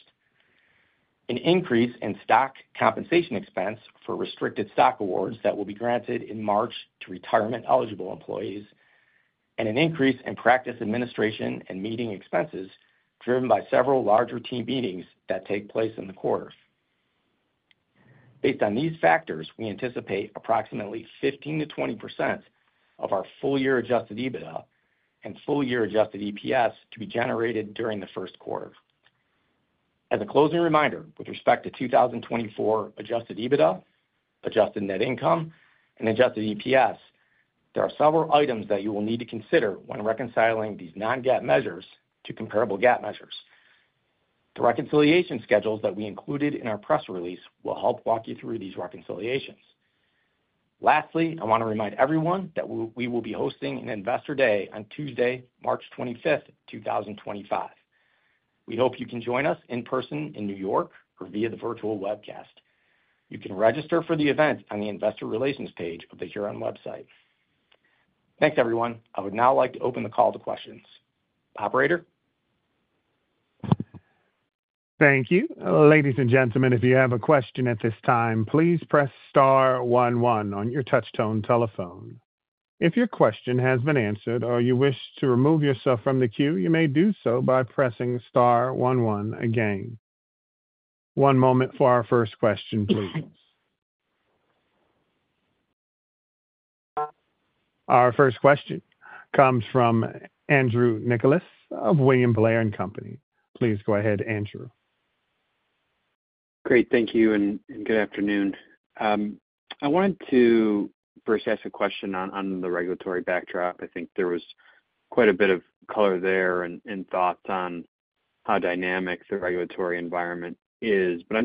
[SPEAKER 3] an increase in stock compensation expense for restricted stock awards that will be granted in March to retirement-eligible employees, and an increase in practice administration and meeting expenses driven by several larger team meetings that take place in the quarter. Based on these factors, we anticipate approximately 15%-20% of our full year adjusted EBITDA and full year adjusted EPS to be generated during the first quarter. As a closing reminder, with respect to 2024 adjusted EBITDA, adjusted net income, and adjusted EPS, there are several items that you will need to consider when reconciling these non-GAAP measures to comparable GAAP measures. The reconciliation schedules that we included in our press release will help walk you through these reconciliations. Lastly, I want to remind everyone that we will be hosting an Investor Day on Tuesday, March 25th, 2025. We hope you can join us in person in New York or via the virtual webcast. You can register for the event on the Investor Relations page of the Huron website. Thanks, everyone. I would now like to open the call to questions. Operator?
[SPEAKER 1] Thank you. Ladies and gentlemen, if you have a question at this time, please press star one one on your touchtone telephone. If your question has been answered or you wish to remove yourself from the queue, you may do so by pressing star one one again. One moment for our first question, please. Our first question comes from Andrew Nicholas of William Blair and Company. Please go ahead, Andrew.
[SPEAKER 4] Great. Thank you. And good afternoon. I wanted to first ask a question on the regulatory backdrop. I think there was quite a bit of color there and thoughts on how dynamic the regulatory environment is. But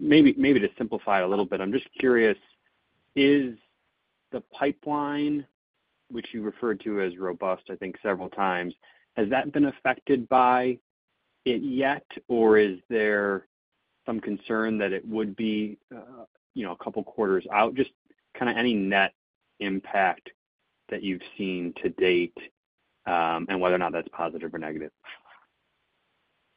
[SPEAKER 4] maybe to simplify it a little bit, I'm just curious, is the pipeline, which you referred to as robust, I think several times, has that been affected by it yet? Or is there some concern that it would be a couple of quarters out? Just kind of any net impact that you've seen to date and whether or not that's positive or negative.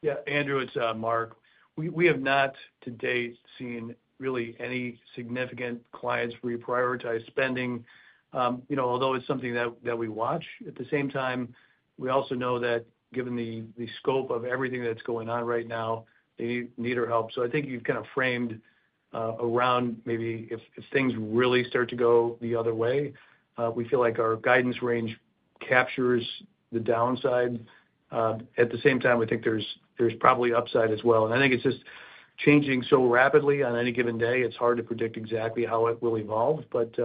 [SPEAKER 2] Yeah. Andrew, it's Mark. We have not, to date, seen really any significant clients reprioritize spending. Although it's something that we watch, at the same time, we also know that given the scope of everything that's going on right now, they need our help. So I think you've kind of framed around maybe if things really start to go the other way, we feel like our guidance range captures the downside. At the same time, I think there's probably upside as well and I think it's just changing so rapidly on any given day. It's hard to predict exactly how it will evolve. But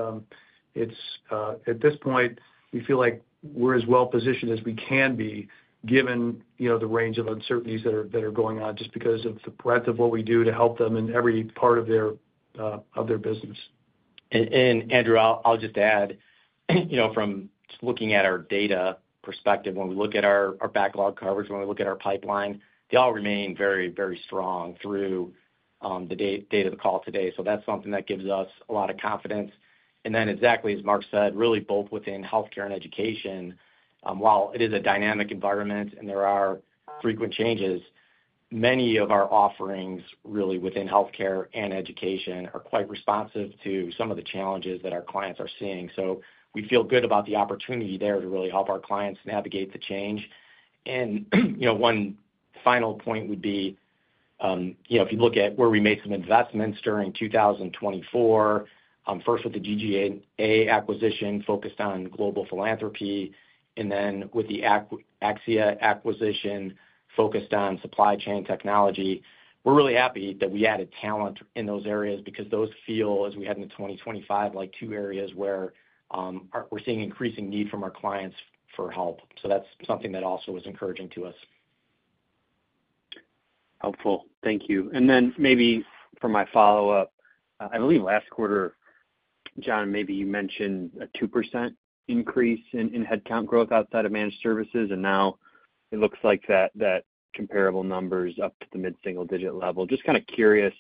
[SPEAKER 2] at this point, we feel like we're as well-positioned as we can be given the range of uncertainties that are going on just because of the breadth of what we do to help them in every part of their business.
[SPEAKER 3] And Andrew, I'll just add, from just looking at our data perspective, when we look at our backlog coverage, when we look at our pipeline, they all remain very, very strong through the date of the call today. So that's something that gives us a lot of confidence. And then, exactly as Mark said, really both within healthcare and education, while it is a dynamic environment and there are frequent changes, many of our offerings really within healthcare and education are quite responsive to some of the challenges that our clients are seeing. So we feel good about the opportunity there to really help our clients navigate the change. And one final point would be, if you look at where we made some investments during 2024, first with the GG+A acquisition focused on global philanthropy, and then with the AXIA acquisition focused on supply chain technology, we're really happy that we added talent in those areas because those feel, as we head into 2025, like two areas where we're seeing increasing need from our clients for help. So that's something that also is encouraging to us.
[SPEAKER 4] Helpful. Thank you. And then maybe for my follow-up, I believe last quarter, John, maybe you mentioned a 2% increase in headcount growth outside of managed services. And now it looks like that comparable number is up to the mid-single-digit level. Just kind of curious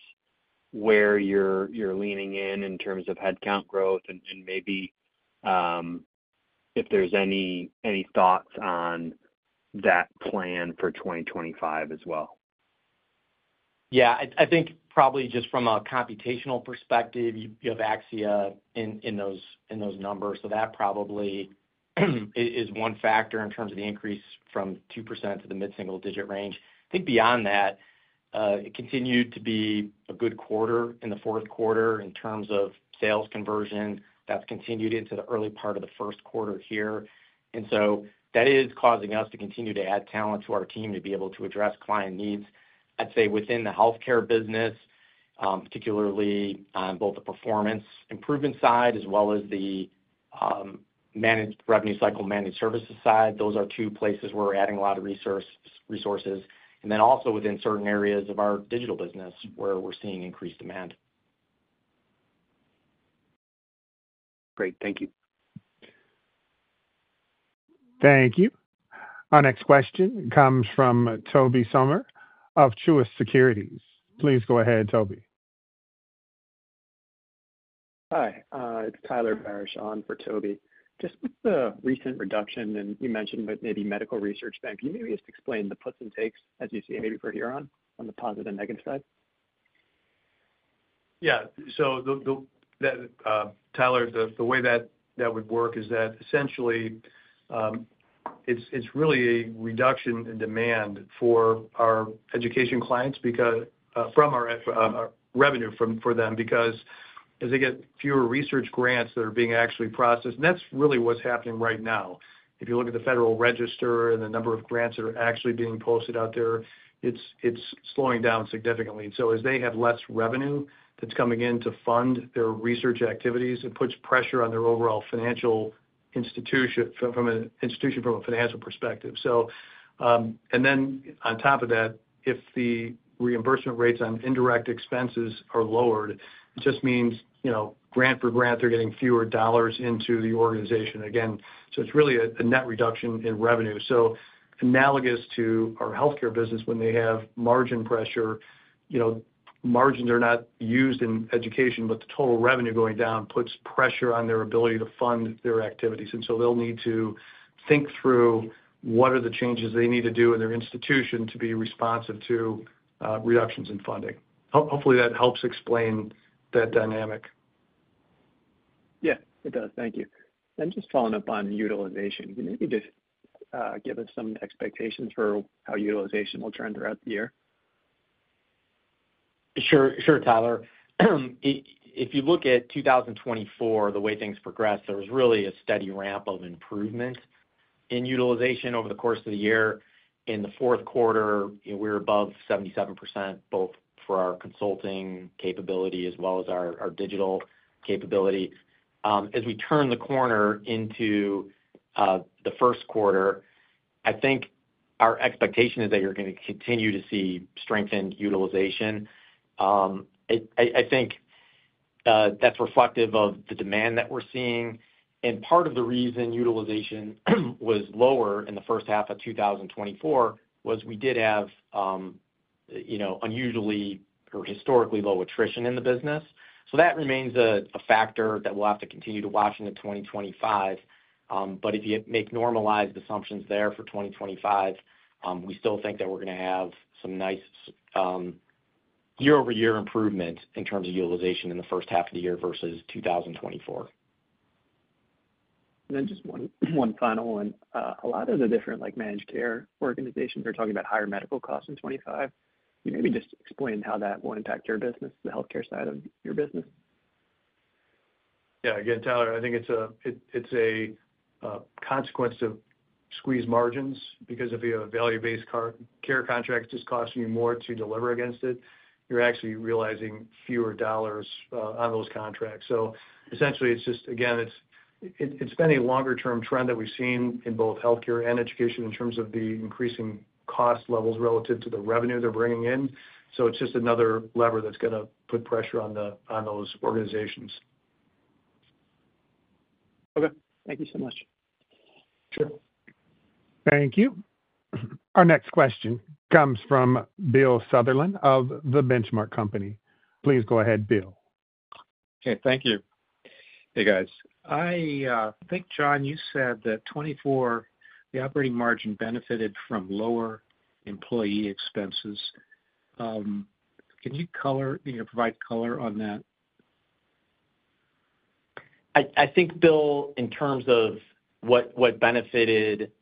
[SPEAKER 4] where you're leaning in terms of headcount growth and maybe if there's any thoughts on that plan for 2025 as well.
[SPEAKER 3] Yeah. I think probably just from a computational perspective, you have AXIA in those numbers. So that probably is one factor in terms of the increase from 2% to the mid-single-digit range. I think beyond that, it continued to be a good quarter in the fourth quarter in terms of sales conversion. That's continued into the early part of the first quarter here. And so that is causing us to continue to add talent to our team to be able to address client needs. I'd say within the healthcare business, particularly on both the performance improvement side as well as the managed revenue cycle managed services side, those are two places where we're adding a lot of resources. And then also within certain areas of our digital business where we're seeing increased demand.
[SPEAKER 4] Great. Thank you.
[SPEAKER 1] Thank you. Our next question comes from Tobey Sommer of Truist Securities. Please go ahead, Tobey.
[SPEAKER 5] Hi. It's Tyler Barishaw for Tobey. Just with the recent reduction, and you mentioned maybe medical research bank, can you maybe just explain the puts and takes as you see it maybe for Huron on the positive and negative side?
[SPEAKER 2] Yeah. So Tyler, the way that would work is that essentially it's really a reduction in demand for our education clients from our revenue for them because as they get fewer research grants that are being actually processed, and that's really what's happening right now. If you look at the Federal Register and the number of grants that are actually being posted out there, it's slowing down significantly. And so as they have less revenue that's coming in to fund their research activities, it puts pressure on their overall financial situation from a financial perspective. And then on top of that, if the reimbursement rates on indirect expenses are lowered, it just means grant for grant, they're getting fewer dollars into the organization. Again, so it's really a net reduction in revenue. So analogous to our healthcare business, when they have margin pressure, margins are not used in education, but the total revenue going down puts pressure on their ability to fund their activities. And so they'll need to think through what are the changes they need to do in their institution to be responsive to reductions in funding. Hopefully, that helps explain that dynamic.
[SPEAKER 5] Yeah. It does. Thank you. And just following up on utilization, can you maybe just give us some expectations for how utilization will turn throughout the year?
[SPEAKER 3] Sure. Sure, Tyler. If you look at 2024, the way things progressed, there was really a steady ramp of improvement in utilization over the course of the year. In the fourth quarter, we were above 77%, both for our consulting capability as well as our digital capability. As we turn the corner into the first quarter, I think our expectation is that you're going to continue to see strengthened utilization. I think that's reflective of the demand that we're seeing. And part of the reason utilization was lower in the first half of 2024 was we did have unusually or historically low attrition in the business, so that remains a factor that we'll have to continue to watch in 2025. But if you make normalized assumptions there for 2025, we still think that we're going to have some nice year-over-year improvement in terms of utilization in the first half of the year versus 2024.
[SPEAKER 5] And then just one final one. A lot of the different managed care organizations are talking about higher medical costs in 2025. Can you maybe just explain how that will impact your business, the healthcare side of your business?
[SPEAKER 2] Yeah. Again, Tyler, I think it's a consequence of squeezed margins because if you have a value-based care contract, it's just costing you more to deliver against it. You're actually realizing fewer dollars on those contracts. So essentially, again, it's been a longer-term trend that we've seen in both healthcare and education in terms of the increasing cost levels relative to the revenue they're bringing in. So it's just another lever that's going to put pressure on those organizations.
[SPEAKER 5] Okay. Thank you so much.
[SPEAKER 2] Sure.
[SPEAKER 1] Thank you. Our next question comes from Bill Sutherland of The Benchmark Company. Please go ahead, Bill.
[SPEAKER 6] Okay. Thank you. Hey, guys. I think, John, you said that 2024, the operating margin benefited from lower employee expenses. Can you provide color on that?
[SPEAKER 3] I think, Bill, in terms of what benefited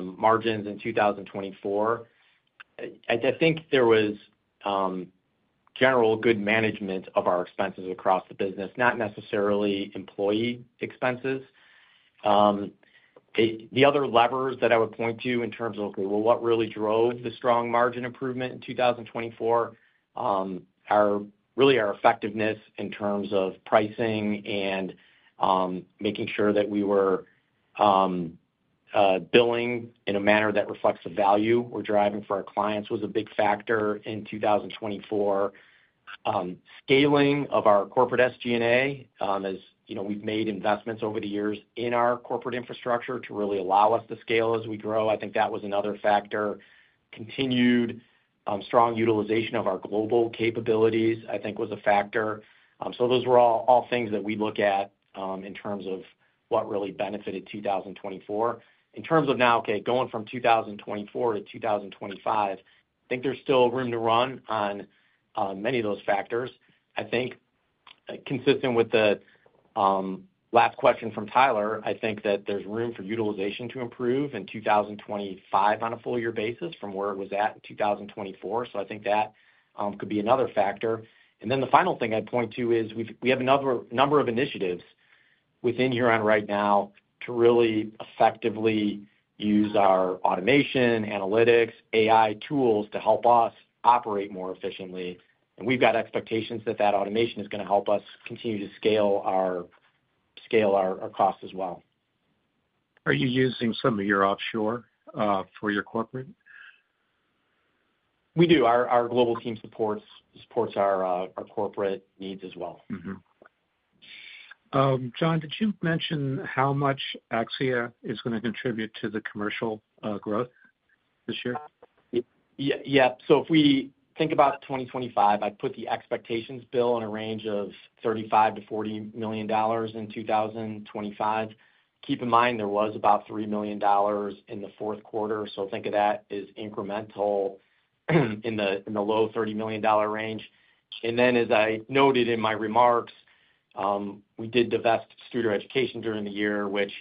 [SPEAKER 3] margins in 2024, I think there was general good management of our expenses across the business, not necessarily employee expenses. The other levers that I would point to in terms of, okay, well, what really drove the strong margin improvement in 2024, really our effectiveness in terms of pricing and making sure that we were billing in a manner that reflects the value we're driving for our clients was a big factor in 2024. Scaling of our corporate SG&A, as we've made investments over the years in our corporate infrastructure to really allow us to scale as we grow, I think that was another factor. Continued strong utilization of our global capabilities, I think, was a factor. So those were all things that we look at in terms of what really benefited 2024. In terms of now, okay, going from 2024 to 2025, I think there's still room to run on many of those factors. I think consistent with the last question from Tyler, I think that there's room for utilization to improve in 2025 on a full-year basis from where it was at in 2024. So I think that could be another factor. And then the final thing I'd point to is we have a number of initiatives within Huron right now to really effectively use our automation, analytics, AI tools to help us operate more efficiently. And we've got expectations that that automation is going to help us continue to scale our costs as well.
[SPEAKER 6] Are you using some of your offshore for your corporate?
[SPEAKER 3] We do. Our global team supports our corporate needs as well.
[SPEAKER 6] John, did you mention how much AXIA is going to contribute to the commercial growth this year?
[SPEAKER 3] Yeah. So if we think about 2025, I'd put the expectations, Bill, on a range of $35-$40 million in 2025. Keep in mind, there was about $3 million in the fourth quarter. So think of that as incremental in the low $30 million range. And then, as I noted in my remarks, we did divest Studer Education during the year, which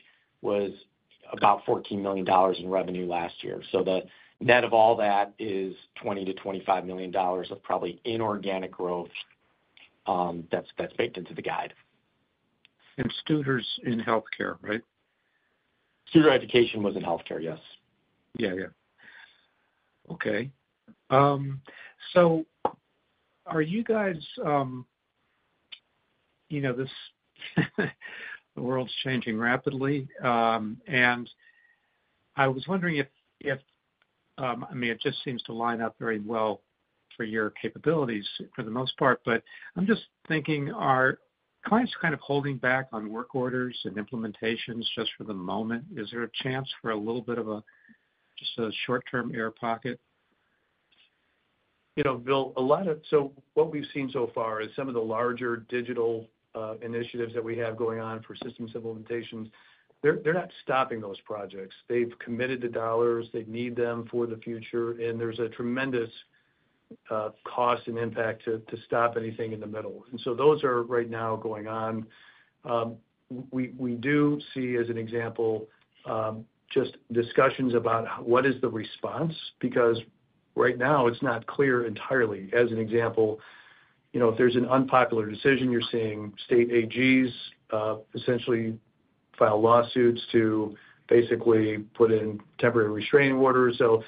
[SPEAKER 3] was about $14 million in revenue last year. So the net of all that is $20-$25 million of probably inorganic growth that's baked into the guide.
[SPEAKER 6] And Studer is in healthcare, right?
[SPEAKER 3] Studer Education was in healthcare, yes.
[SPEAKER 6] Yeah, yeah. Okay. So are you guys seeing the world is changing rapidly. And I was wondering if I mean, it just seems to line up very well for your capabilities for the most part. But I'm just thinking, are clients kind of holding back on work orders and implementations just for the moment? Is there a chance for a little bit of just a short-term air pocket?
[SPEAKER 2] Bill, a lot of so what we've seen so far is some of the larger digital initiatives that we have going on for systems implementations. They're not stopping those projects. They've committed the dollars. They need them for the future, and there's a tremendous cost and impact to stop anything in the middle, and so those are right now going on. We do see, as an example, just discussions about what is the response because right now, it's not clear entirely. As an example, if there's an unpopular decision, you're seeing state AGs essentially file lawsuits to basically put in temporary restraining orders, so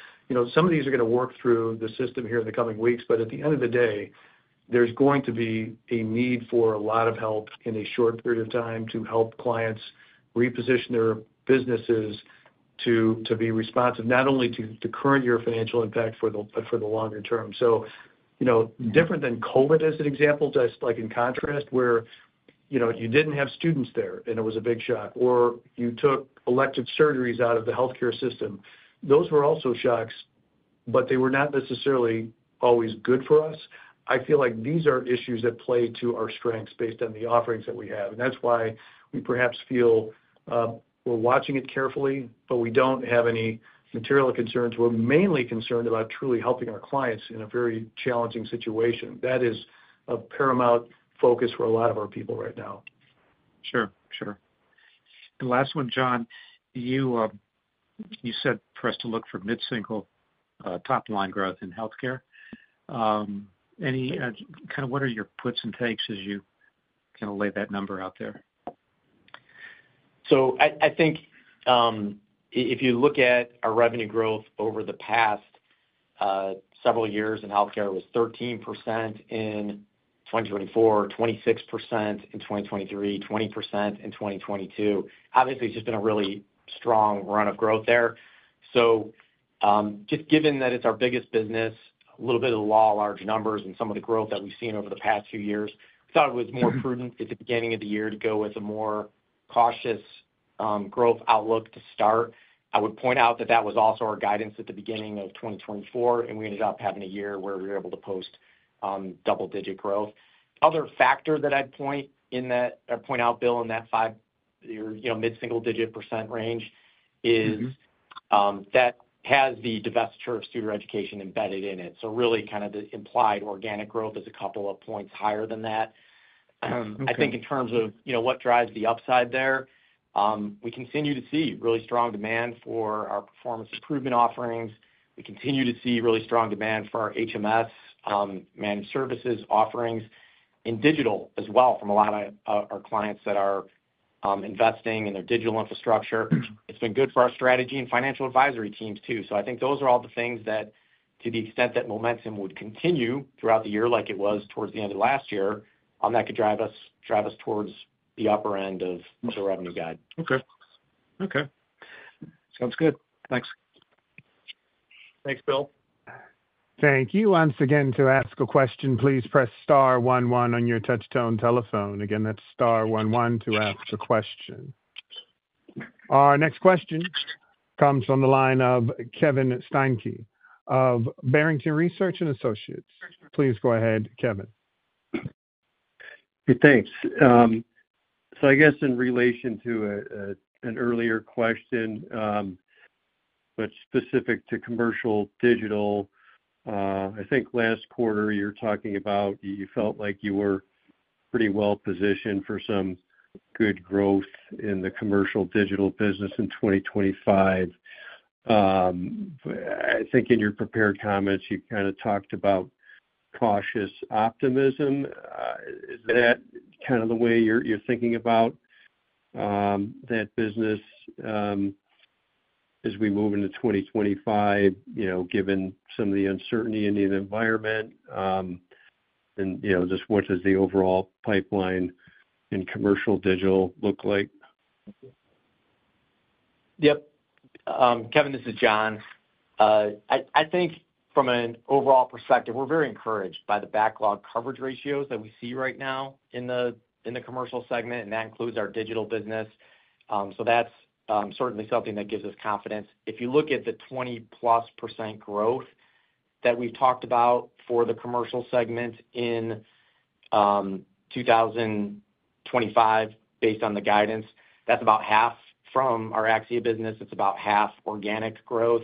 [SPEAKER 2] some of these are going to work through the system here in the coming weeks. But at the end of the day, there's going to be a need for a lot of help in a short period of time to help clients reposition their businesses to be responsive, not only to the current year financial impact for the longer term. So different than COVID, as an example, just like in contrast, where you didn't have students there and it was a big shock, or you took elective surgeries out of the healthcare system, those were also shocks, but they were not necessarily always good for us. I feel like these are issues that play to our strengths based on the offerings that we have. And that's why we perhaps feel we're watching it carefully, but we don't have any material concerns. We're mainly concerned about truly helping our clients in a very challenging situation. That is a paramount focus for a lot of our people right now.
[SPEAKER 6] Sure, sure. And last one, John, you said for us to look for mid-single top-line growth in healthcare. Kind of what are your puts and takes as you kind of lay that number out there?
[SPEAKER 3] So I think if you look at our revenue growth over the past several years in healthcare, it was 13% in 2024, 26% in 2023, 20% in 2022. Obviously, it's just been a really strong run of growth there. So just given that it's our biggest business, a little bit of the law of large numbers, and some of the growth that we've seen over the past few years, I thought it was more prudent at the beginning of the year to go with a more cautious growth outlook to start. I would point out that that was also our guidance at the beginning of 2024, and we ended up having a year where we were able to post double-digit growth. Other factor that I'd point out, Bill, in that mid-single-digit % range is that has the divestiture of Studer Education embedded in it. So really kind of the implied organic growth is a couple of points higher than that. I think in terms of what drives the upside there, we continue to see really strong demand for our performance improvement offerings. We continue to see really strong demand for our HMS, managed services offerings, and digital as well from a lot of our clients that are investing in their digital infrastructure. It's been good for our strategy and financial advisory teams too. So I think those are all the things that, to the extent that momentum would continue throughout the year like it was towards the end of last year, that could drive us towards the upper end of the revenue guide.
[SPEAKER 6] Okay. Okay. Sounds good. Thanks.
[SPEAKER 2] Thanks, Bill.
[SPEAKER 1] Thank you. Once again, to ask a question, please press star one one on your touch-tone telephone. Again, that's star one one to ask a question. Our next question comes from the line of Kevin Steinke of Barrington Research and Associates. Please go ahead, Kevin.
[SPEAKER 7] Hey, thanks. So I guess in relation to an earlier question, but specific to commercial digital, I think last quarter you're talking about you felt like you were pretty well positioned for some good growth in the commercial digital business in 2025. I think in your prepared comments, you kind of talked about cautious optimism. Is that kind of the way you're thinking about that business as we move into 2025, given some of the uncertainty in the environment? And just what does the overall pipeline in commercial digital look like?
[SPEAKER 3] Yep. Kevin, this is John. I think from an overall perspective, we're very encouraged by the backlog coverage ratios that we see right now in the commercial segment, and that includes our digital business. So that's certainly something that gives us confidence. If you look at the 20%+ growth that we've talked about for the commercial segment in 2025, based on the guidance, that's about half from our AXIA business. It's about half organic growth.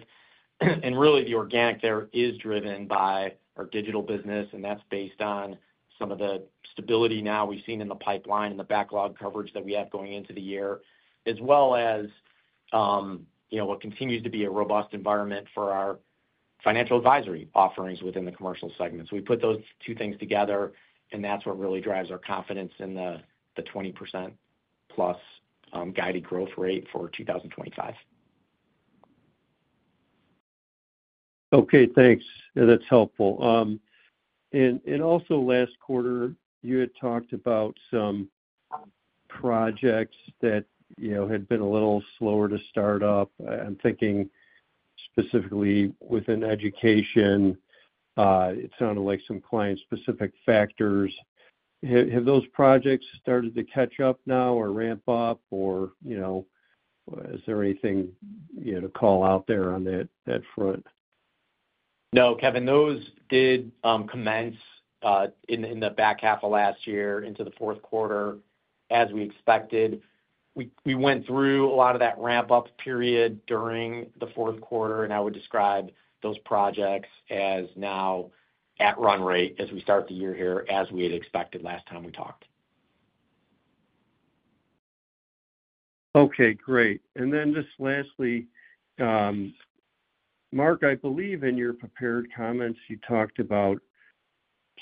[SPEAKER 3] And really, the organic there is driven by our digital business, and that's based on some of the stability now we've seen in the pipeline and the backlog coverage that we have going into the year, as well as what continues to be a robust environment for our financial advisory offerings within the commercial segment. So we put those two things together, and that's what really drives our confidence in the 20%+ guided growth rate for 2025.
[SPEAKER 7] Okay. Thanks. That's helpful. And also, last quarter, you had talked about some projects that had been a little slower to start up. I'm thinking specifically within education. It sounded like some client-specific factors. Have those projects started to catch up now or ramp up, or is there anything to call out there on that front?
[SPEAKER 3] No, Kevin. Those did commence in the back half of last year into the fourth quarter, as we expected. We went through a lot of that ramp-up period during the fourth quarter, and I would describe those projects as now at run rate as we start the year here, as we had expected last time we talked.
[SPEAKER 7] Okay. Great. And then just lastly, Mark, I believe in your prepared comments, you talked about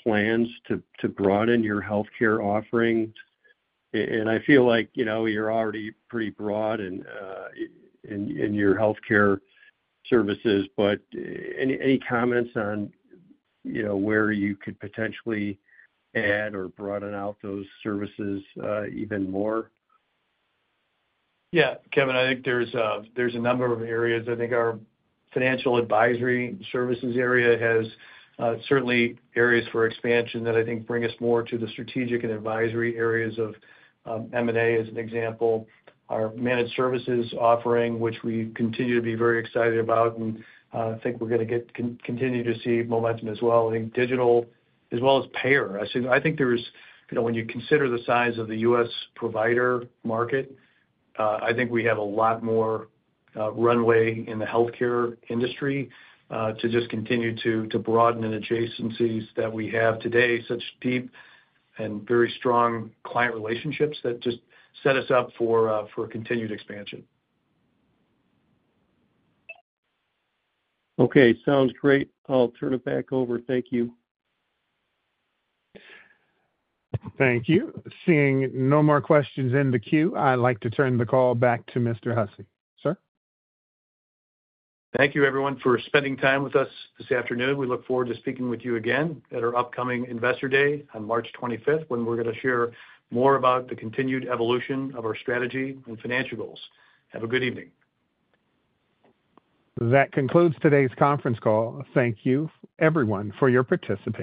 [SPEAKER 7] plans to broaden your healthcare offerings. And I feel like you're already pretty broad in your healthcare services, but any comments on where you could potentially add or broaden out those services even more?
[SPEAKER 2] Yeah. Kevin, I think there's a number of areas. I think our financial advisory services area has certainly areas for expansion that I think bring us more to the strategic and advisory areas of M&A, as an example. Our managed services offering, which we continue to be very excited about, and I think we're going to continue to see momentum as well. I think digital as well as payer. I think when you consider the size of the U.S. provider market, I think we have a lot more runway in the healthcare industry to just continue to broaden and adjacencies that we have today, such deep and very strong client relationships that just set us up for continued expansion.
[SPEAKER 7] Okay. Sounds great. I'll turn it back over. Thank you.
[SPEAKER 1] Thank you. Seeing no more questions in the queue, I'd like to turn the call back to Mr. Hussey. Sir?
[SPEAKER 2] Thank you, everyone, for spending time with us this afternoon. We look forward to speaking with you again at our upcoming Investor Day on March 25th, when we're going to share more about the continued evolution of our strategy and financial goals. Have a good evening. That concludes today's conference call. Thank you, everyone, for your participation.